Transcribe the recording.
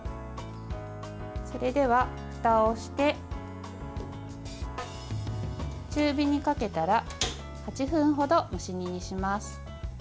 それではふたをして中火にかけたら８分ほど蒸し煮にします。